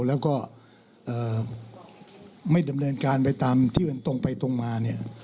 แล้วก็ไม่ดำเนินการไปตามที่มันตรงไปตรงมาเนี่ย